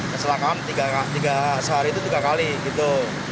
kecelakaan tiga sehari itu tiga kali gitu